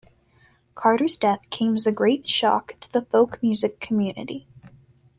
Carter's death came as a great shock to the folk music community.